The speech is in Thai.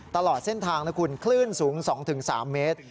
ตลอดเส้นทางนะคุณคลื่นสูง๒๓เมตร